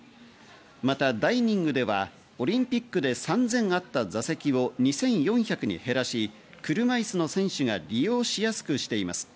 またダイニングではオリンピックで３０００あった座席を２４００人減らし、車いすの選手が利用しやすくしています。